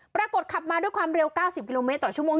ขับมาด้วยความเร็ว๙๐กิโลเมตรต่อชั่วโมง